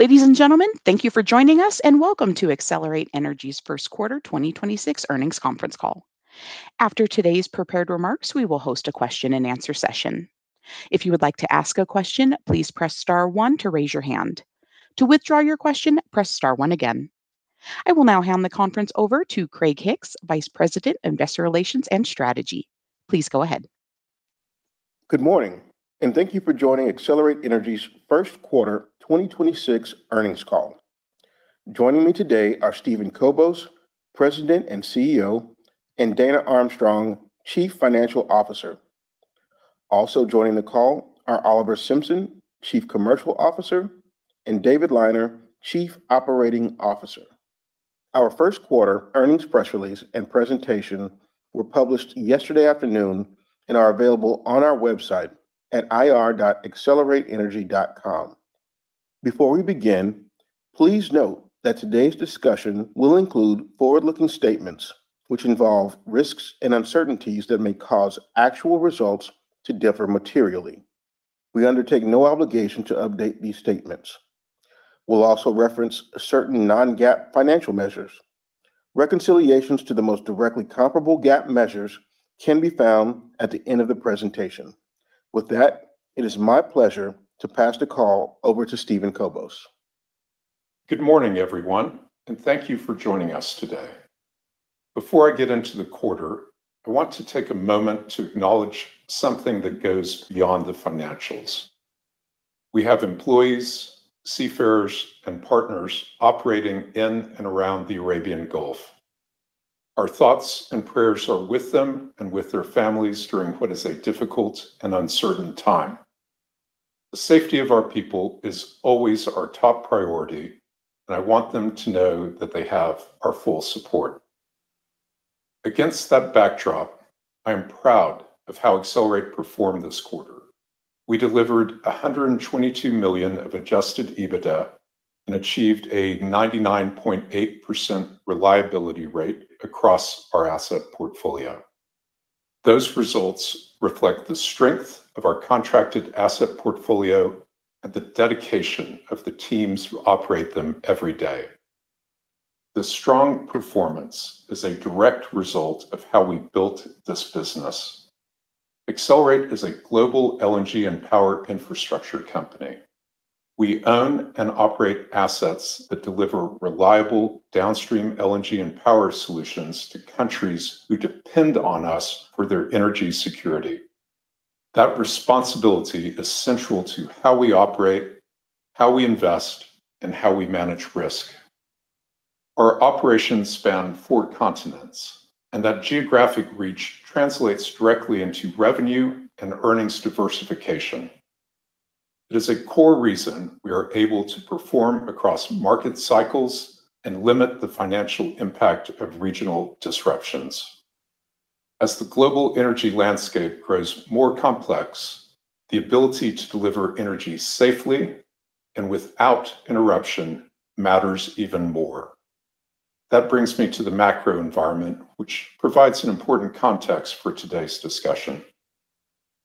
Ladies and gentlemen, thank you for joining us, and welcome to Excelerate Energy's first quarter 2026 earnings conference call. After today's prepared remarks, we will host a question and answer session. If you would like to ask a question, please press star one to raise your hand. To withdraw your question, press star one again. I will now hand the conference over to Craig Hicks, Vice President, Investor Relations and Strategy. Please go ahead. Good morning, and thank you for joining Excelerate Energy's first quarter 2026 earnings call. Joining me today are Steven Kobos, President and CEO, and Dana Armstrong, Chief Financial Officer. Also joining the call are Oliver Simpson, Chief Commercial Officer, and David Liner, Chief Operating Officer. Our first quarter earnings press release and presentation were published yesterday afternoon and are available on our website at ir.excelerateenergy.com. Before we begin, please note that today's discussion will include forward-looking statements which involve risks and uncertainties that may cause actual results to differ materially. We undertake no obligation to update these statements. We'll also reference certain non-GAAP financial measures. Reconciliations to the most directly comparable GAAP measures can be found at the end of the presentation. With that, it is my pleasure to pass the call over to Steven Kobos. Good morning, everyone, and thank you for joining us today. Before I get into the quarter, I want to take a moment to acknowledge something that goes beyond the financials. We have employees, seafarers, and partners operating in and around the Arabian Gulf. Our thoughts and prayers are with them and with their families during what is a difficult and uncertain time. The safety of our people is always our top priority, and I want them to know that they have our full support. Against that backdrop, I am proud of how Excelerate performed this quarter. We delivered $122 million of adjusted EBITDA and achieved a 99.8% reliability rate across our asset portfolio. Those results reflect the strength of our contracted asset portfolio and the dedication of the teams who operate them every day. This strong performance is a direct result of how we built this business. Excelerate is a global LNG and power infrastructure company. We own and operate assets that deliver reliable downstream LNG and power solutions to countries who depend on us for their energy security. That responsibility is central to how we operate, how we invest, and how we manage risk. Our operation stand four continents. That geographic reach translates directly into revenue and earnings diversification. It is a core reason we are able to perform across market cycles and limit the financial impact of regional disruptions. As the global energy landscape grows more complex, the ability to deliver energy safely and without interruption matters even more. That brings me to the macro environment, which provides an important context for today's discussion.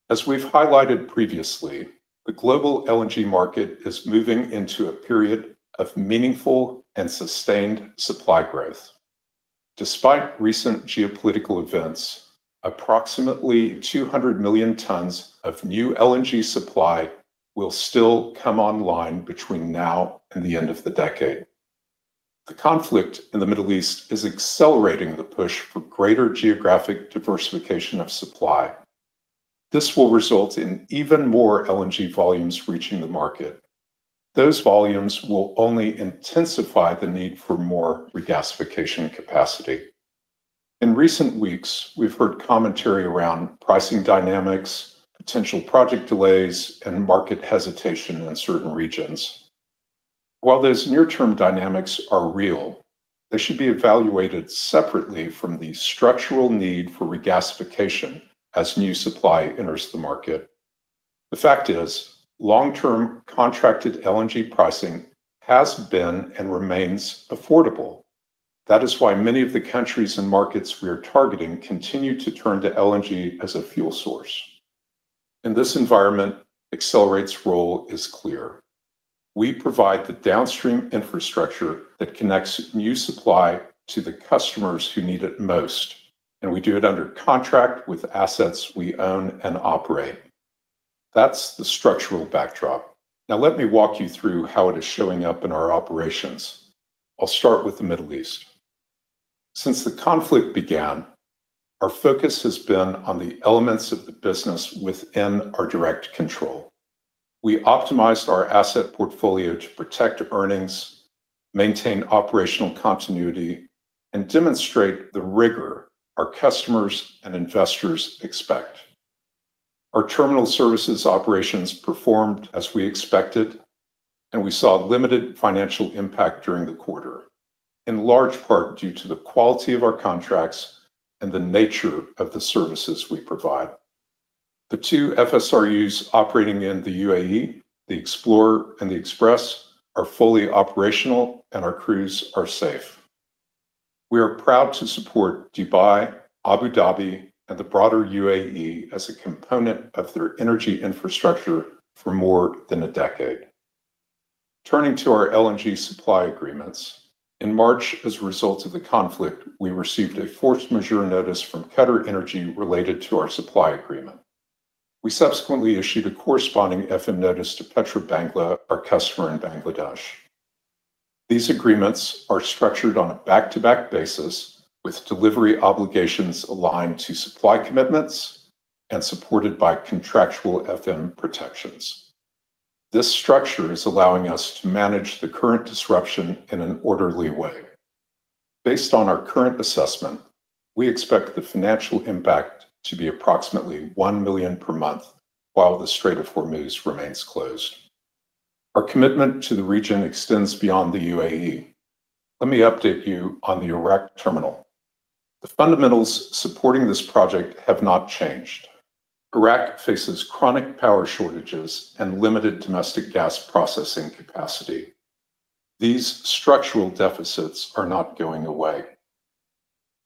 As we've highlighted previously, the global LNG market is moving into a period of meaningful and sustained supply growth. Despite recent geopolitical events, approximately 200 million tons of new LNG supply will still come online between now and the end of the decade. The conflict in the Middle East is accelerating the push for greater geographic diversification of supply. This will result in even more LNG volumes reaching the market. Those volumes will only intensify the need for more regasification capacity. In recent weeks, we've heard commentary around pricing dynamics, potential project delays, and market hesitation in certain regions. While those near-term dynamics are real, they should be evaluated separately from the structural need for regasification as new supply enters the market. The fact is, long-term contracted LNG pricing has been and remains affordable. That is why many of the countries and markets we are targeting continue to turn to LNG as a fuel source. In this environment, Excelerate's role is clear. We provide the downstream infrastructure that connects new supply to the customers who need it most, and we do it under contract with assets we own and operate. That's the structural backdrop. Now let me walk you through how it is showing up in our operations. I'll start with the Middle East. Since the conflict began, our focus has been on the elements of the business within our direct control. We optimized our asset portfolio to protect earnings, maintain operational continuity, and demonstrate the rigor our customers and investors expect. Our terminal services operations performed as we expected, and we saw limited financial impact during the quarter, in large part due to the quality of our contracts and the nature of the services we provide. The two FSRUs operating in the U.A.E., the Explorer and the Express, are fully operational, and our crews are safe. We are proud to support Dubai, Abu Dhabi, and the broader U.A.E. as a component of their energy infrastructure for more than a decade. Turning to our LNG supply agreements. In March, as a result of the conflict, we received a force majeure notice from QatarEnergy related to our supply agreement. We subsequently issued a corresponding FM notice to Petrobangla, our customer in Bangladesh. These agreements are structured on a back-to-back basis with delivery obligations aligned to supply commitments and supported by contractual FM protections. This structure is allowing us to manage the current disruption in an orderly way. Based on our current assessment, we expect the financial impact to be approximately $1 million per month while the Strait of Hormuz remains closed. Our commitment to the region extends beyond the U.A.E. Let me update you on the Iraq terminal. The fundamentals supporting this project have not changed. Iraq faces chronic power shortages and limited domestic gas processing capacity. These structural deficits are not going away.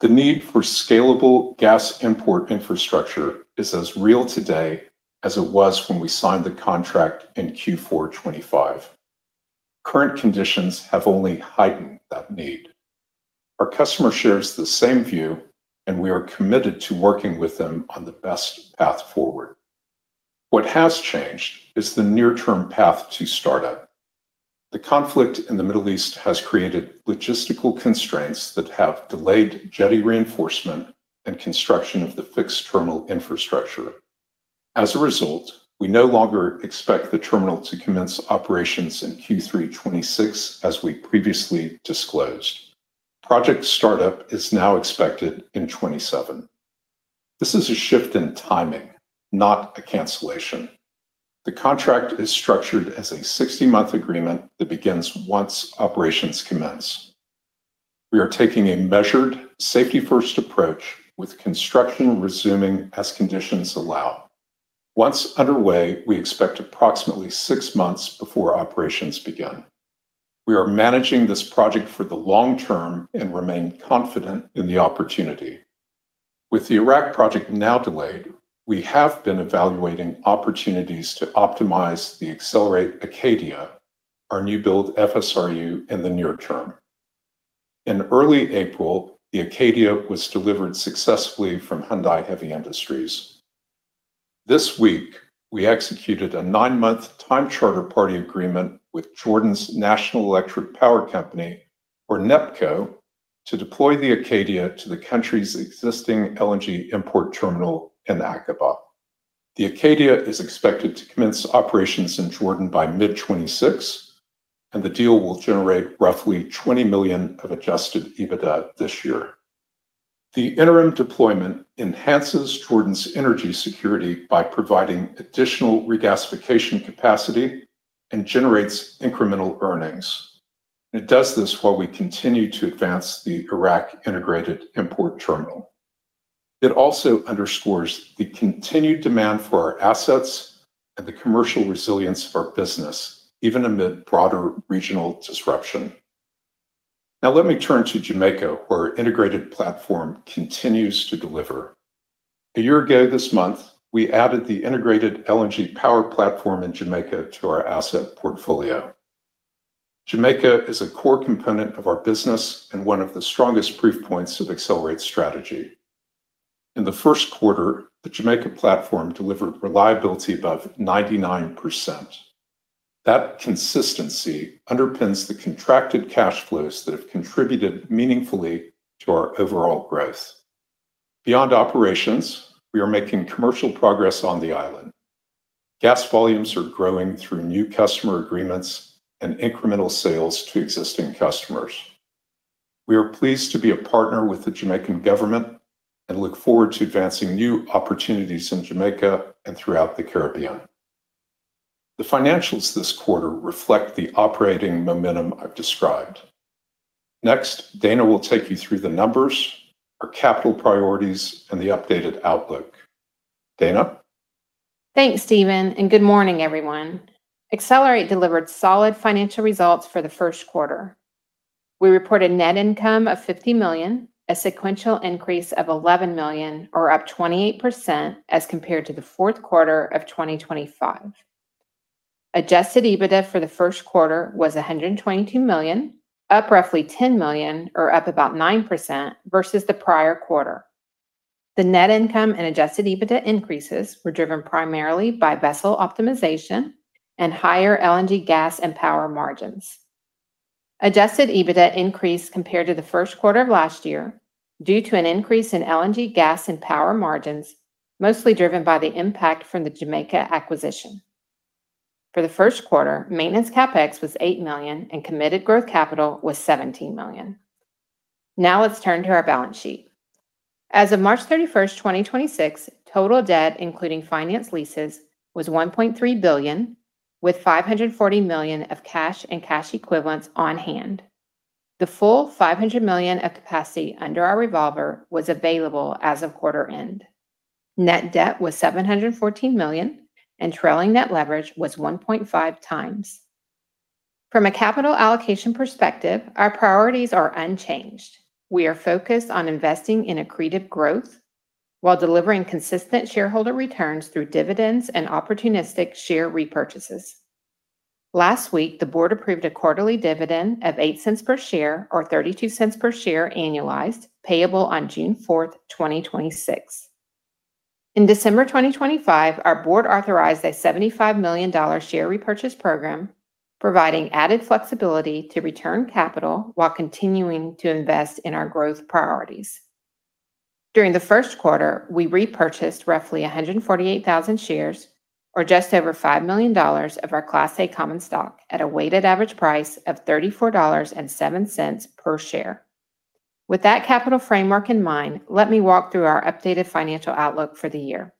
The need for scalable gas import infrastructure is as real today as it was when we signed the contract in Q4 2025. Current conditions have only heightened that need. Our customer shares the same view, we are committed to working with them on the best path forward. What has changed is the near-term path to startup. The conflict in the Middle East has created logistical constraints that have delayed jetty reinforcement and construction of the fixed terminal infrastructure. As a result, we no longer expect the terminal to commence operations in Q3 2026 as we previously disclosed. Project startup is now expected in 2027. This is a shift in timing, not a cancellation. The contract is structured as a 60-month agreement that begins once operations commence. We are taking a measured, safety-first approach with construction resuming as conditions allow. Once underway, we expect approximately six months before operations begin. We are managing this project for the long term and remain confident in the opportunity. With the Iraq project now delayed, we have been evaluating opportunities to optimize the Excelerate Acadia, our new build FSRU in the near term. In early April, the Acadia was delivered successfully from Hyundai Heavy Industries. This week, we executed a nine-month time charter party agreement with Jordan's National Electric Power Company, or NEPCO, to deploy the Acadia to the country's existing LNG import terminal in Aqaba. The Acadia is expected to commence operations in Jordan by mid-2026, and the deal will generate roughly $20 million of adjusted EBITDA this year. The interim deployment enhances Jordan's energy security by providing additional regasification capacity and generates incremental earnings. It does this while we continue to advance the Iraq integrated import terminal. It also underscores the continued demand for our assets and the commercial resilience of our business, even amid broader regional disruption. Let me turn to Jamaica, where our integrated platform continues to deliver. A year ago this month, we added the integrated LNG power platform in Jamaica to our asset portfolio. Jamaica is a core component of our business and one of the strongest proof points of Excelerate's strategy. In the first quarter, the Jamaica platform delivered reliability above 99%. That consistency underpins the contracted cash flows that have contributed meaningfully to our overall growth. Beyond operations, we are making commercial progress on the island. Gas volumes are growing through new customer agreements and incremental sales to existing customers. We are pleased to be a partner with the Jamaican government and look forward to advancing new opportunities in Jamaica and throughout the Caribbean. The financials this quarter reflect the operating momentum I've described. Next, Dana will take you through the numbers, our capital priorities, and the updated outlook. Dana? Thanks, Steven, and good morning, everyone. Excelerate delivered solid financial results for the first quarter. We reported net income of $50 million, a sequential increase of $11 million, or up 28% as compared to the fourth quarter of 2025. Adjusted EBITDA for the first quarter was $122 million, up roughly $10 million or up about 9% versus the prior quarter. The net income and adjusted EBITDA increases were driven primarily by vessel optimization and higher LNG gas and power margins. Adjusted EBITDA increased compared to the first quarter of last year due to an increase in LNG gas and power margins, mostly driven by the impact from the Jamaica acquisition. For the first quarter, maintenance CapEx was $8 million and committed growth capital was $17 million. Now let's turn to our balance sheet. As of March 31st, 2026, total debt, including finance leases, was $1.3 billion, with $540 million of cash and cash equivalents on hand. The full $500 million of capacity under our revolver was available as of quarter end. Net debt was $714 million, and trailing net leverage was 1.5x. From a capital allocation perspective, our priorities are unchanged. We are focused on investing in accretive growth while delivering consistent shareholder returns through dividends and opportunistic share repurchases. Last week, the board approved a quarterly dividend of $0.08 per share, or $0.32 per share annualized, payable on June 4th, 2026. In December 2025, our board authorized a $75 million share repurchase program, providing added flexibility to return capital while continuing to invest in our growth priorities. During the first quarter, we repurchased roughly 148,000 shares, or just over $5 million of our Class A common stock at a weighted average price of $34.07 per share. With that capital framework in mind, let me walk through our updated financial outlook for the year.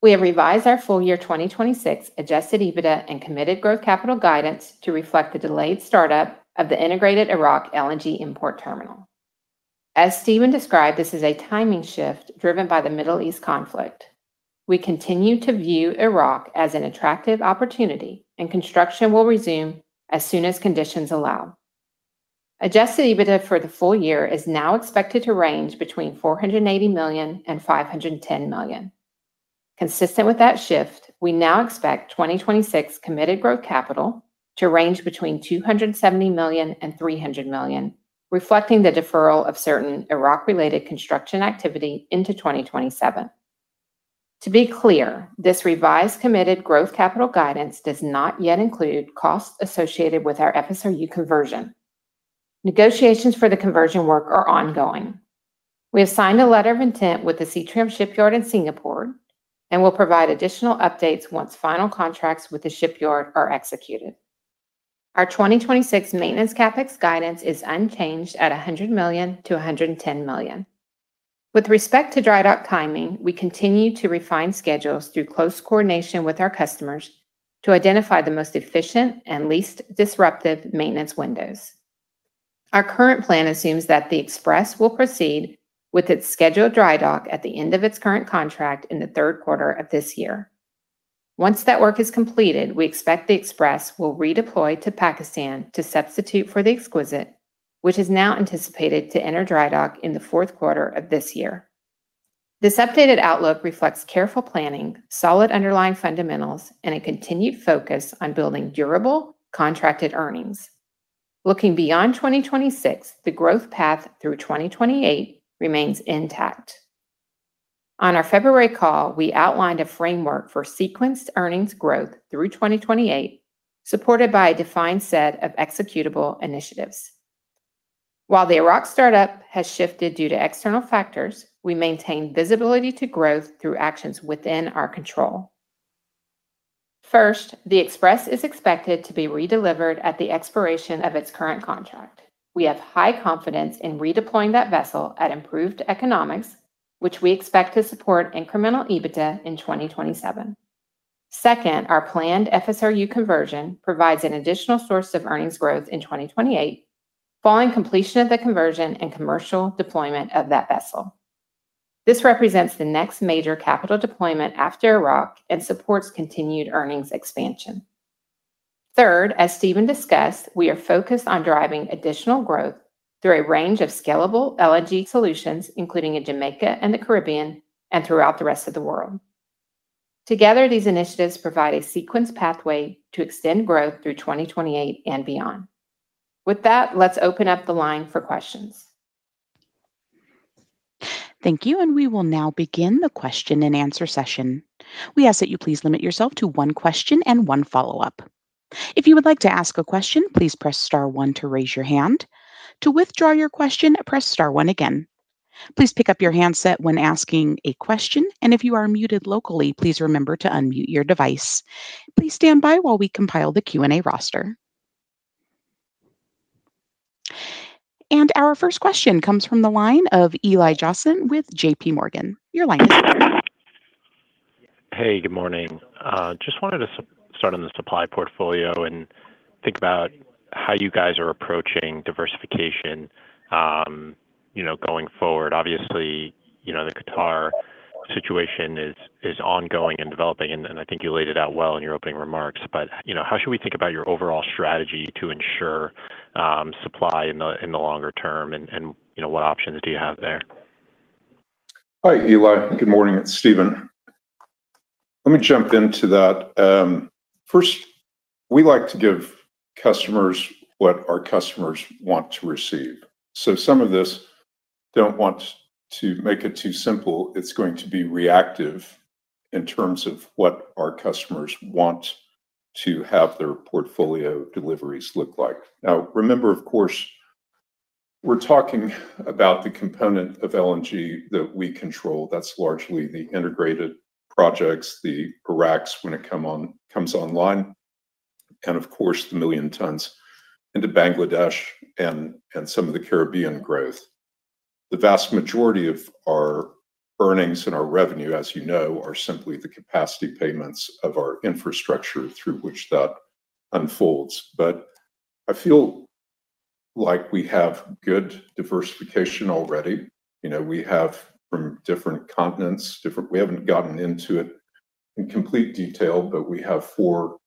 We have revised our full year 2026 adjusted EBITDA and committed growth capital guidance to reflect the delayed startup of the integrated Iraq LNG import terminal. As Steven described, this is a timing shift driven by the Middle East conflict. We continue to view Iraq as an attractive opportunity. Construction will resume as soon as conditions allow. Adjusted EBITDA for the full year is now expected to range between $480 million and $510 million. Consistent with that shift, we now expect 2026 committed growth capital to range between $270 million and $300 million, reflecting the deferral of certain Iraq-related construction activity into 2027. To be clear, this revised committed growth capital guidance does not yet include costs associated with our FSRU conversion. Negotiations for the conversion work are ongoing. We have signed a letter of intent with the Seatrium Shipyard in Singapore, and we'll provide additional updates once final contracts with the shipyard are executed. Our 2026 maintenance CapEx guidance is unchanged at $100 million-$110 million. With respect to dry dock timing, we continue to refine schedules through close coordination with our customers to identify the most efficient and least disruptive maintenance windows. Our current plan assumes that the Express will proceed with its scheduled dry dock at the end of its current contract in the third quarter of this year. Once that work is completed, we expect the Express will redeploy to Pakistan to substitute for the Exquisite, which is now anticipated to enter dry dock in the fourth quarter of this year. This updated outlook reflects careful planning, solid underlying fundamentals, and a continued focus on building durable contracted earnings. Looking beyond 2026, the growth path through 2028 remains intact. On our February call, we outlined a framework for sequenced earnings growth through 2028, supported by a defined set of executable initiatives. While the Iraq startup has shifted due to external factors, we maintain visibility to growth through actions within our control. First, the Express is expected to be redelivered at the expiration of its current contract. We have high confidence in redeploying that vessel at improved economics, which we expect to support incremental EBITDA in 2027. Second, our planned FSRU conversion provides an additional source of earnings growth in 2028 following completion of the conversion and commercial deployment of that vessel. This represents the next major capital deployment after Iraq and supports continued earnings expansion. Third, as Steven discussed, we are focused on driving additional growth through a range of scalable LNG solutions, including in Jamaica and the Caribbean and throughout the rest of the world. Together, these initiatives provide a sequenced pathway to extend growth through 2028 and beyond. With that, let's open up the line for questions. Thank you. We will now begin the question-and-answer session. We ask that you please limit yourself to one question and one follow-up. If you would like to ask a question, please press star one to raise your hand. To withdraw your question, press star one again. Please pick up your handset when asking a question. If you are muted locally, please remember to unmute your device. Please stand by while we compile the Q&A roster. Our first question comes from the line of Eli Jossen with JPMorgan. Your line is open. Hey, good morning. Just wanted to start on the supply portfolio and think about how you guys are approaching diversification, you know, going forward. Obviously, you know, the Qatar situation is ongoing and developing, and I think you laid it out well in your opening remarks. You know, how should we think about your overall strategy to ensure supply in the longer term and, you know, what options do you have there? Hi, Eli. Good morning. It's Steven. Let me jump into that. First, we like to give customers what our customers want to receive. Some of this, don't want to make it too simple, it's going to be reactive in terms of what our customers want to have their portfolio deliveries look like. Now, remember, of course, we're talking about the component of LNG that we control. That's largely the integrated projects, the Iraqs when it comes online, and of course, the million tons into Bangladesh and some of the Caribbean growth. The vast majority of our earnings and our revenue, as you know, are simply the capacity payments of our infrastructure through which that unfolds. I feel like we have good diversification already. You know, we have from different continents, different We haven't gotten into it in complete detail, but we have four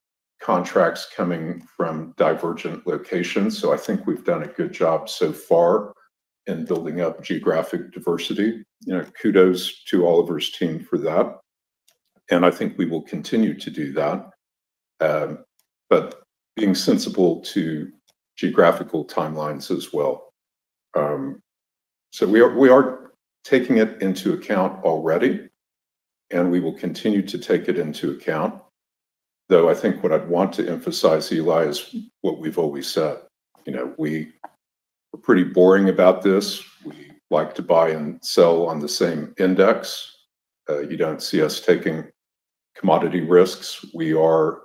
contracts coming from divergent locations. I think we've done a good job so far in building up geographic diversity. You know, kudos to Oliver's team for that, and I think we will continue to do that. Being sensible to geographical timelines as well. We are taking it into account already, and we will continue to take it into account. I think what I'd want to emphasize, Eli, is what we've always said. You know, we are pretty boring about this. We like to buy and sell on the same index. You don't see us taking commodity risks. We are,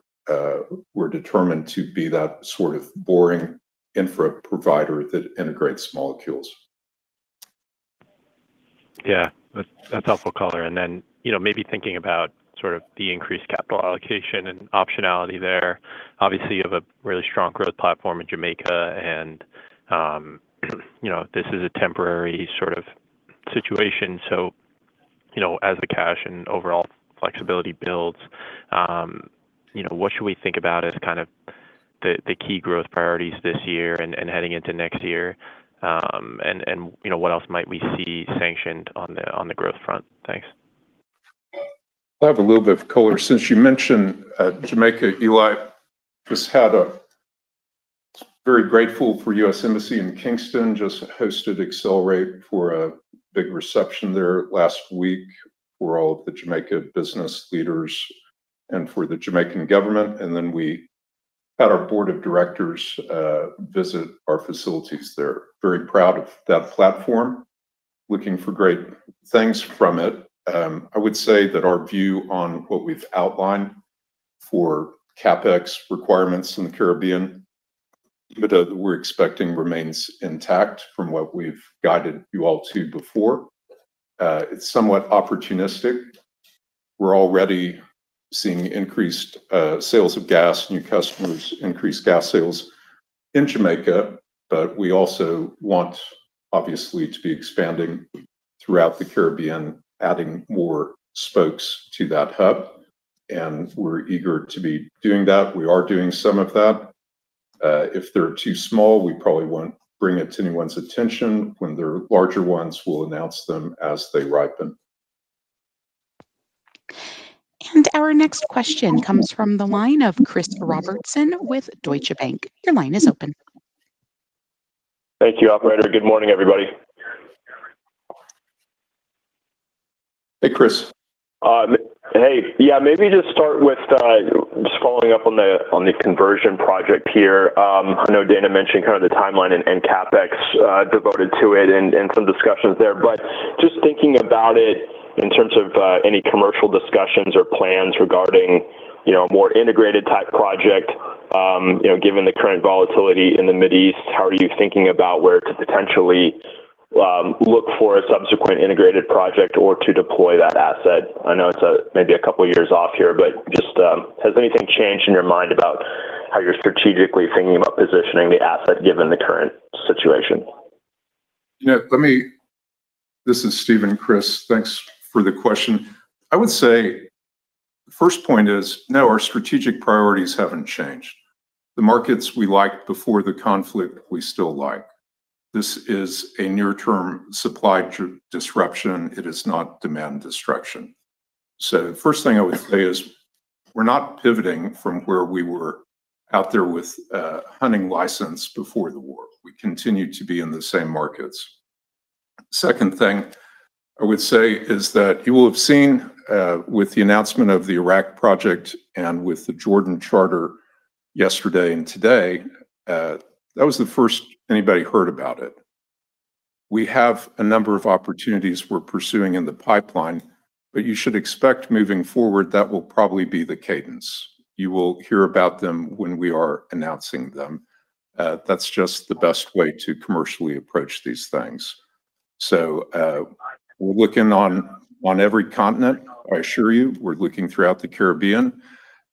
we're determined to be that sort of boring infra provider that integrates molecules. Yeah. That's helpful color. You know, maybe thinking about sort of the increased capital allocation and optionality there. Obviously, you have a really strong growth platform in Jamaica and, you know, this is a temporary sort of situation. You know, as the cash and overall flexibility builds, you know, what should we think about as kind of the key growth priorities this year and heading into next year? You know, what else might we see sanctioned on the growth front? Thanks. I have a little bit of color. Since you mentioned Jamaica, Eli, just had a, very grateful for U.S. Embassy in Kingston, just hosted Excelerate for a big reception there last week for all of the Jamaica business leaders and for the Jamaican government. Then we had our board of directors visit our facilities there. Very proud of that platform. Looking for great things from it. I would say that our view on what we've outlined for CapEx requirements in the Caribbean that we're expecting remains intact from what we've guided you all to before. It's somewhat opportunistic. We're already seeing increased sales of gas, new customers, increased gas sales in Jamaica, we also want, obviously, to be expanding throughout the Caribbean, adding more spokes to that hub, we're eager to be doing that. We are doing some of that. If they're too small, we probably won't bring it to anyone's attention. When they're larger ones, we'll announce them as they ripen. Our next question comes from the line of Chris Robertson with Deutsche Bank. Your line is open. Thank you, operator. Good morning, everybody. Hey, Chris. Hey. Yeah, maybe just start with just following up on the, on the conversion project here. I know Dana mentioned kind of the timeline and CapEx devoted to it and some discussions there. Just thinking about it in terms of any commercial discussions or plans regarding, you know, a more integrated type project. You know, given the current volatility in the Mid East, how are you thinking about where to potentially look for a subsequent integrated project or to deploy that asset? I know it's maybe a couple years off here, but just has anything changed in your mind about how you're strategically thinking about positioning the asset given the current situation? This is Steven, Chris. Thanks for the question. I would say the first point is, no, our strategic priorities haven't changed. The markets we liked before the conflict, we still like. This is a near-term supply disruption. It is not demand destruction. First thing I would say is we're not pivoting from where we were out there with a hunting license before the war. We continue to be in the same markets. Second thing I would say is that you will have seen with the announcement of the Iraq project and with the Jordan charter yesterday and today, that was the first anybody heard about it. We have a number of opportunities we're pursuing in the pipeline. You should expect moving forward, that will probably be the cadence. You will hear about them when we are announcing them. That's just the best way to commercially approach these things. We're looking on every continent, I assure you. We're looking throughout the Caribbean,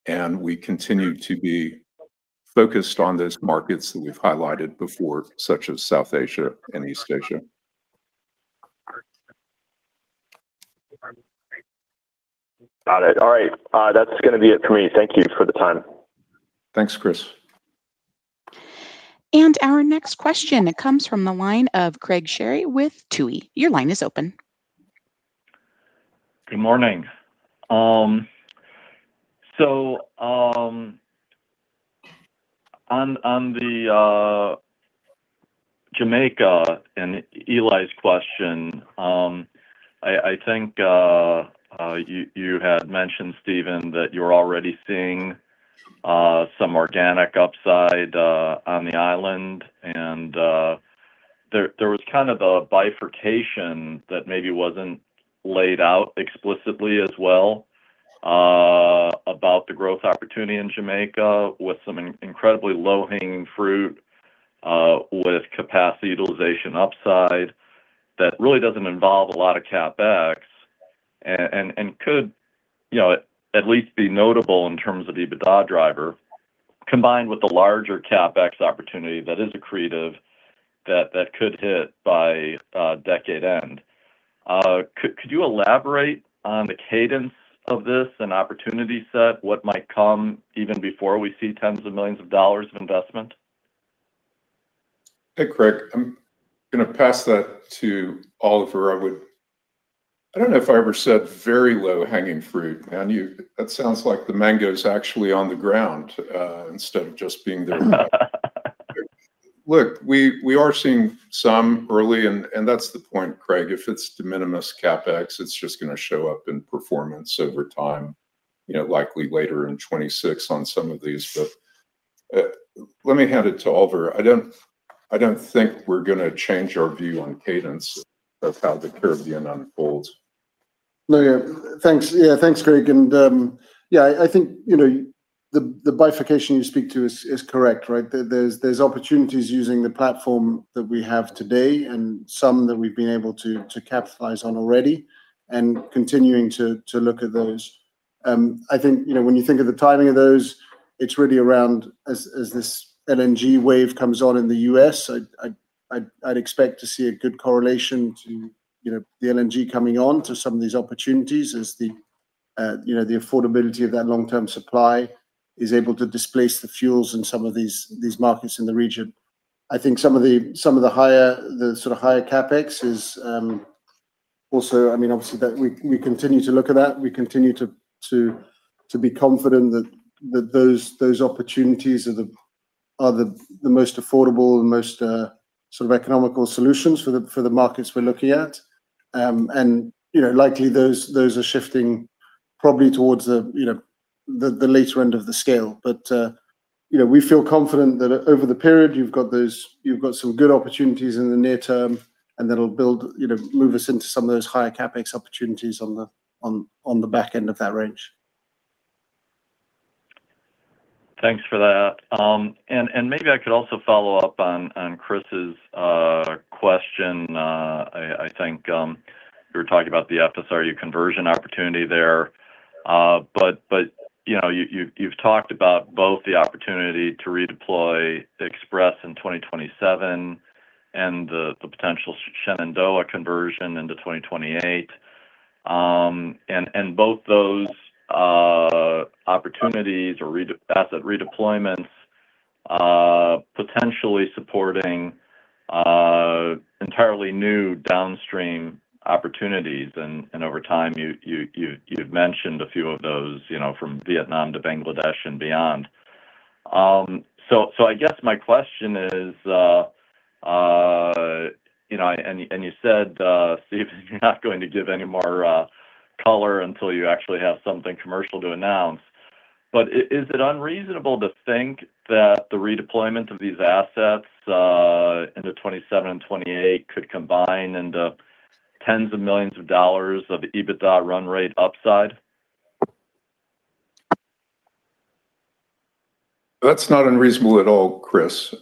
and we continue to be focused on those markets that we've highlighted before, such as South Asia and East Asia. Got it. All right. That's gonna be it for me. Thank you for the time. Thanks, Chris. Our next question comes from the line of Craig Shere with Tuohy. Your line is open. Good morning. On the Jamaica and Eli's question, you had mentioned, Steven, that you're already seeing some organic upside on the island. There was kind of a bifurcation that maybe wasn't laid out explicitly as well about the growth opportunity in Jamaica with some incredibly low-hanging fruit with capacity utilization upside that really doesn't involve a lot of CapEx. Could, you know, at least be notable in terms of the EBITDA driver, combined with the larger CapEx opportunity that is accretive that could hit by decade end. Could you elaborate on the cadence of this and opportunity set? What might come even before we see tens of millions of dollars of investment? Hey, Craig. I'm gonna pass that to Oliver. I don't know if I ever said very low-hanging fruit, man. That sounds like the mango's actually on the ground instead of just being there. Look, we are seeing some early and that's the point, Craig. If it's de minimis CapEx, it's just gonna show up in performance over time, you know, likely later in 2026 on some of these. Let me hand it to Oliver. I don't think we're gonna change our view on cadence of how the Caribbean unfolds. No, yeah. Thanks. Yeah, thanks, Craig. Yeah, I think, you know, the bifurcation you speak to is correct, right? There's opportunities using the platform that we have today and some that we've been able to capitalize on already and continuing to look at those. I think, you know, when you think of the timing of those, it's really around as this LNG wave comes on in the U.S., I'd expect to see a good correlation to, you know, the LNG coming on to some of these opportunities as, you know, the affordability of that long-term supply is able to displace the fuels in some of these markets in the region. I think some of the higher, the sort of higher CapEx is also, I mean, obviously that we continue to look at that. We continue to be confident that those opportunities are the most affordable and most economical solutions for the markets we're looking at. You know, likely those are shifting probably towards the, you know, the later end of the scale. You know, we feel confident that over the period, you've got those, you've got some good opportunities in the near term, and that'll build, you know, move us into some of those higher CapEx opportunities on the back end of that range. Thanks for that. Maybe I could also follow up on Chris' question. I think you were talking about the FSRU conversion opportunity there. You know, you've talked about both the opportunity to redeploy Express in 2027 and the potential Shenandoah conversion into 2028. Both those opportunities or asset redeployments, potentially supporting entirely new downstream opportunities. Over time, you've mentioned a few of those, you know, from Vietnam to Bangladesh and beyond. I guess my question is, you know, and you said, Steve, you're not going to give any more color until you actually have something commercial to announce. Is it unreasonable to think that the redeployment of these assets into 2027 and 2028 could combine into tens of millions of dollars of EBITDA run rate upside? That's not unreasonable at all, Chris.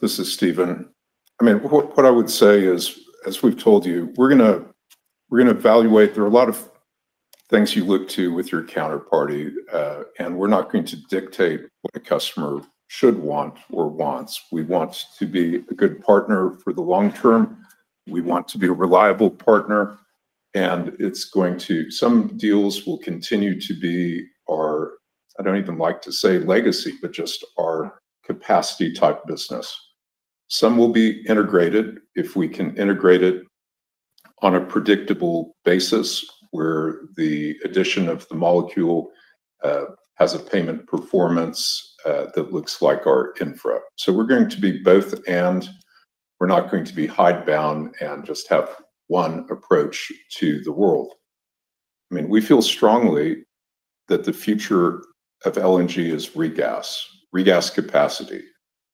This is Steven. I mean, what I would say is, as we've told you, we're gonna evaluate. There are a lot of things you look to with your counterparty. We're not going to dictate what a customer should want or wants. We want to be a good partner for the long term. We want to be a reliable partner. Some deals will continue to be our, I don't even like to say legacy, but just our capacity type business. Some will be integrated if we can integrate it on a predictable basis where the addition of the molecule has a payment performance that looks like our infra. We're going to be both, and we're not going to be hidebound and just have one approach to the world. I mean, we feel strongly that the future of LNG is regas capacity.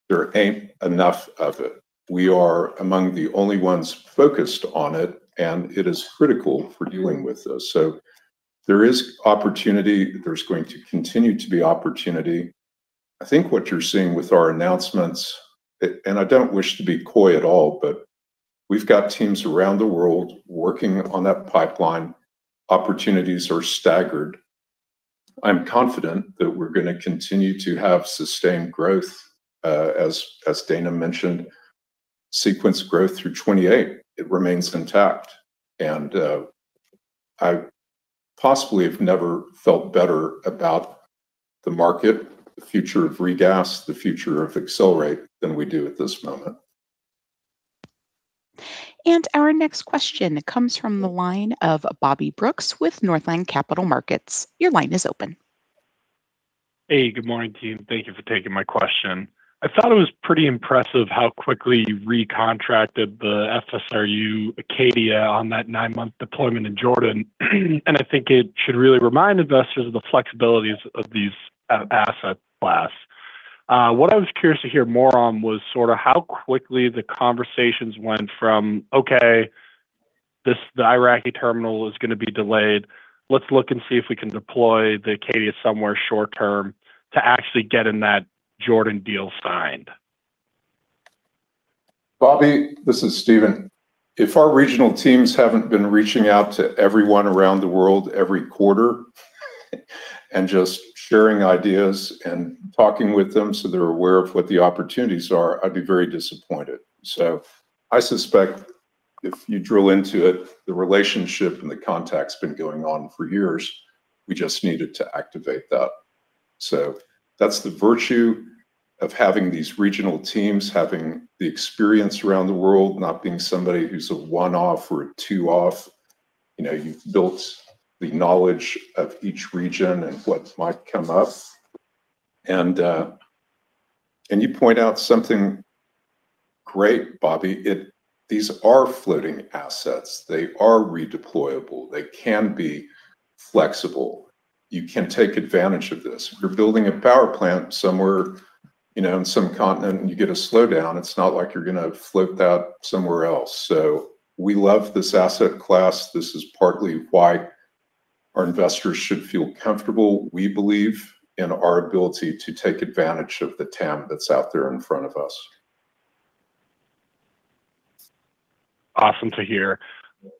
There ain't enough of it. We are among the only ones focused on it, and it is critical for dealing with this. There is opportunity. There's going to continue to be opportunity. I think what you're seeing with our announcements, and I don't wish to be coy at all, but we've got teams around the world working on that pipeline. Opportunities are staggered. I'm confident that we're gonna continue to have sustained growth, as Dana mentioned, sequence growth through 2028. It remains intact. I possibly have never felt better about the market, the future of regas, the future of Excelerate than we do at this moment. Our next question comes from the line of Bobby Brooks with Northland Capital Markets. Your line is open. Hey, good morning, team. Thank you for taking my question. I thought it was pretty impressive how quickly you recontracted the FSRU Acadia on that nine-month deployment in Jordan. I think it should really remind investors of the flexibilities of these asset class. What I was curious to hear more on was sort of how quickly the conversations went from, "Okay, this, the Iraqi terminal is going to be delayed. Let's look and see if we can deploy the Acadia somewhere short-term," to actually getting that Jordan deal signed. Bobby, this is Steven. If our regional teams haven't been reaching out to everyone around the world every quarter and just sharing ideas and talking with them so they're aware of what the opportunities are, I'd be very disappointed. I suspect if you drill into it, the relationship and the contact's been going on for years, we just needed to activate that. That's the virtue of having these regional teams, having the experience around the world, not being somebody who's a one-off or a two-off. You know, you've built the knowledge of each region and what might come up. You point out something great, Bobby. These are floating assets. They are redeployable. They can be flexible. You can take advantage of this. If you're building a power plant somewhere, you know, in some continent, and you get a slowdown, it's not like you're gonna float that somewhere else. So we love this asset class. This is partly why our investors should feel comfortable. We believe in our ability to take advantage of the TAM that's out there in front of us. Awesome to hear.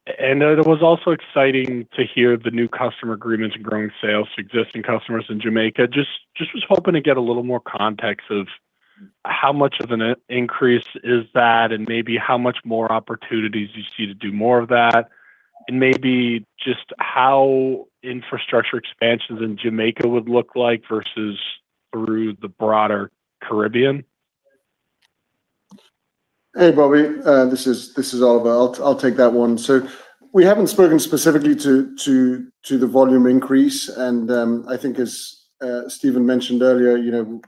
It was also exciting to hear the new customer agreements and growing sales to existing customers in Jamaica. Just was hoping to get a little more context of how much of an increase is that and maybe how much more opportunities you see to do more of that, and maybe just how infrastructure expansions in Jamaica would look like versus through the broader Caribbean. Hey, Bobby. This is Oliver. I'll take that one. We haven't spoken specifically to the volume increase. I think as Steven mentioned earlier, you know,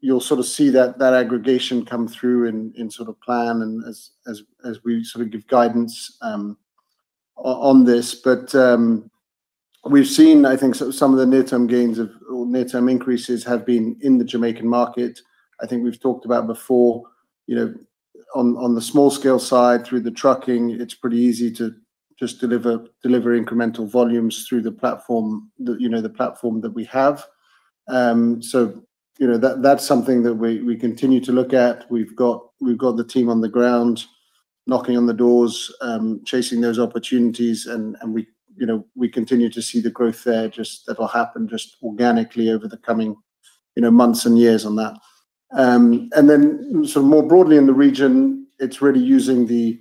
you'll sort of see that aggregation come through in sort of plan and as we sort of give guidance on this. We've seen, I think, some of the near-term gains of, or near-term increases have been in the Jamaican market. I think we've talked about before, you know, on the small scale side through the trucking, it's pretty easy to just deliver incremental volumes through the platform that, you know, the platform that we have. You know, that's something that we continue to look at. We've got the team on the ground knocking on the doors, chasing those opportunities and we, you know, we continue to see the growth there just that'll happen just organically over the coming, you know, months and years on that. Then sort of more broadly in the region, it's really using the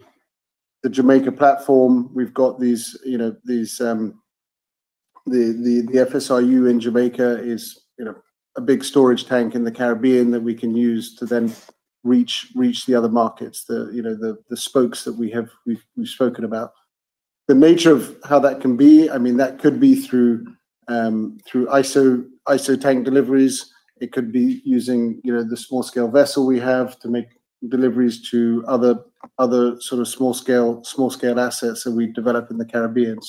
Jamaica platform. We've got these, you know, these the FSRU in Jamaica is, you know, a big storage tank in the Caribbean that we can use to then reach the other markets, the, you know, the spokes that we have spoken about. The nature of how that can be, I mean, that could be through isotank deliveries. It could be using, you know, the small-scale vessel we have to make deliveries to other sort of small-scale assets that we develop in the Caribbean.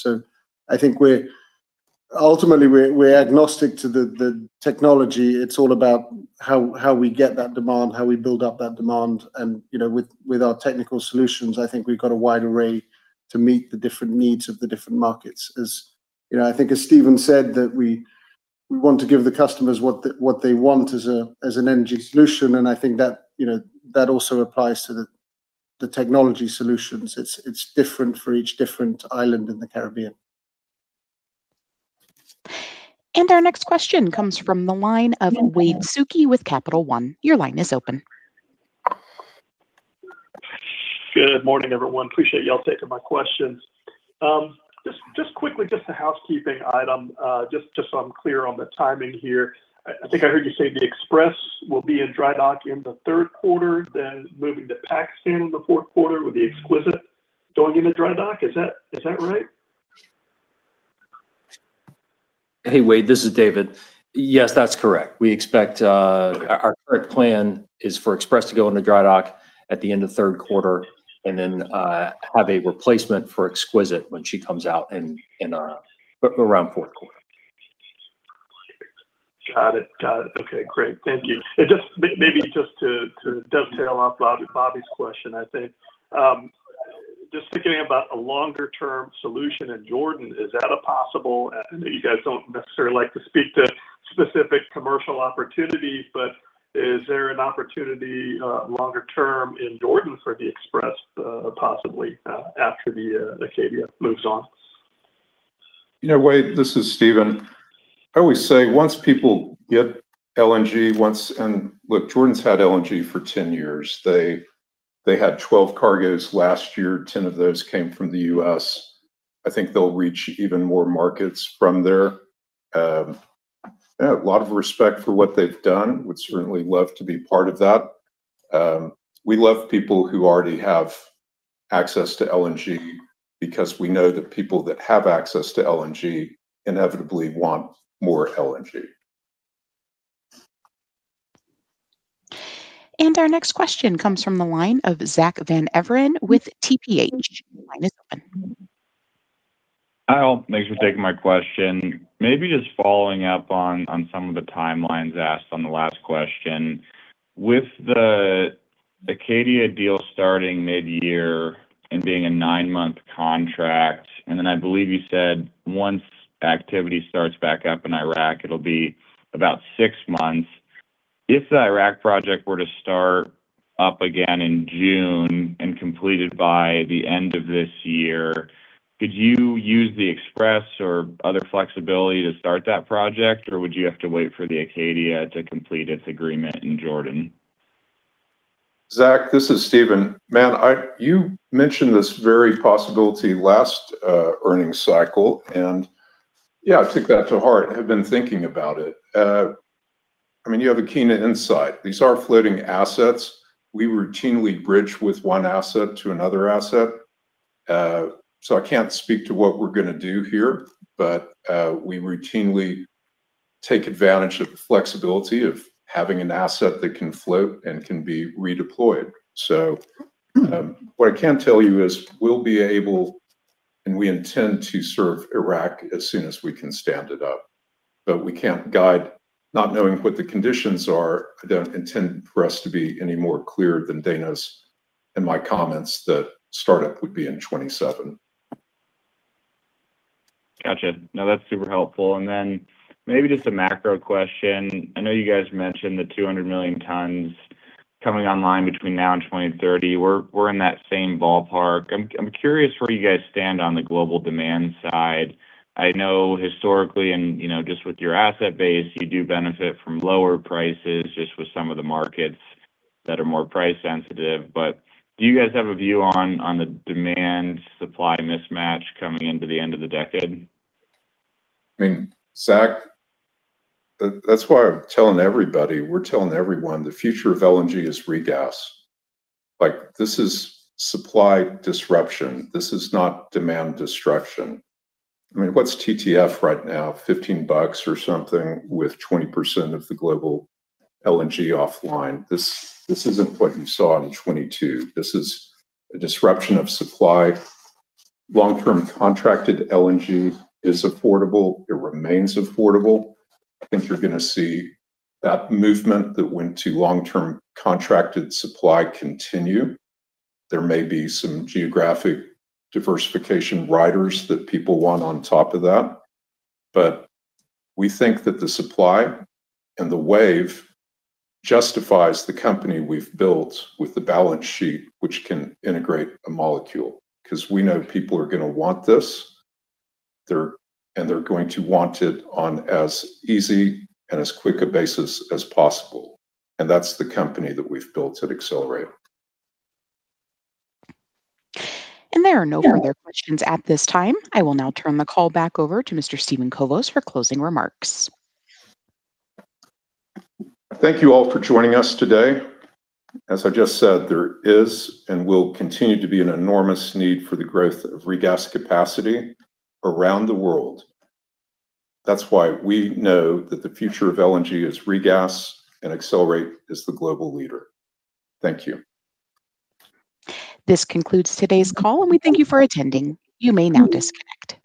Ultimately, we're agnostic to the technology. It's all about how we get that demand, how we build up that demand and, you know, with our technical solutions, I think we've got a wide array to meet the different needs of the different markets. As you know, I think as Steven said that we want to give the customers what they want as an energy solution, and I think that, you know, that also applies to the technology solutions. It's different for each different island in the Caribbean. Our next question comes from the line of Wade Suki with Capital One. Your line is open. Good morning, everyone. Appreciate y'all taking my questions. just quickly, just a housekeeping item, just so I'm clear on the timing here. I think I heard you say the Express will be in dry dock in the third quarter, then moving to Pakistan in the fourth quarter with the Exquisite going into dry dock. Is that right? Hey, Wade, this is David. Yes, that's correct. We expect Our current plan is for Express to go into dry dock at the end of third quarter and then, have a replacement for Exquisite when she comes out in, around fourth quarter. Got it. Got it. Okay. Great. Thank you. Just to dovetail off Bobby's question, I think, just thinking about a longer term solution in Jordan, is that possible? I know you guys don't necessarily like to speak to specific commercial opportunities, but is there an opportunity longer term in Jordan for the Express, possibly after the Acadia moves on? You know, Wade, this is Steven. I always say once people get LNG. And look, Jordan's had LNG for 10 years. They had 12 cargos last year. 10 of those came from the U.S. I think they'll reach even more markets from there. Yeah, a lot of respect for what they've done. Would certainly love to be part of that. We love people who already have access to LNG because we know that people that have access to LNG inevitably want more LNG. Our next question comes from the line of Zack Van Everen with TPH. Your line is open. Hi all. Thanks for taking my question. Maybe just following up on some of the timelines asked on the last question. With the Acadia deal starting mid-year and being a nine-month contract, and then I believe you said once activity starts back up in Iraq, it'll be about six months. If the Iraq project were to start up again in June and completed by the end of this year, could you use the Express or other flexibility to start that project, or would you have to wait for the Acadia to complete its agreement in Jordan? Zack, this is Steven. Man, you mentioned this very possibility last earnings cycle and yeah, I took that to heart. I have been thinking about it. I mean, you have a keen insight. These are floating assets. We routinely bridge with one asset to another asset. I can't speak to what we're gonna do here, but we routinely take advantage of the flexibility of having an asset that can float and can be redeployed. What I can tell you is we'll be able, and we intend to serve Iraq as soon as we can stand it up. We can't guide not knowing what the conditions are. I don't intend for us to be any more clear than Dana's and my comments that startup would be in 2027. Gotcha. No, that's super helpful. Then maybe just a macro question. I know you guys mentioned the 200 million tons coming online between now and 2030. We're in that same ballpark. I'm curious where you guys stand on the global demand side. I know historically, and, you know, just with your asset base, you do benefit from lower prices just with some of the markets that are more price sensitive. Do you guys have a view on the demand supply mismatch coming into the end of the decade? I mean, Zack, that-that's why I'm telling everybody, we're telling everyone the future of LNG is regas. Like, this is supply disruption. This is not demand destruction. I mean, what's TTF right now? $15 or something with 20% of the global LNG offline. This isn't what you saw in 2022. This is a disruption of supply. Long-term contracted LNG is affordable. It remains affordable. I think you're gonna see that movement that went to long-term contracted supply continue. There may be some geographic diversification riders that people want on top of that, but we think that the supply and the wave justifies the company we've built with the balance sheet, which can integrate a molecule. 'Cause we know people are gonna want this, and they're going to want it on as easy and as quick a basis as possible, and that's the company that we've built at Excelerate. There are no further questions at this time. I will now turn the call back over to Mr. Steven Kobos for closing remarks. Thank you all for joining us today. As I just said, there is and will continue to be an enormous need for the growth of regas capacity around the world. That's why we know that the future of LNG is regas, and Excelerate is the global leader. Thank you. This concludes today's call, and we thank you for attending. You may now disconnect.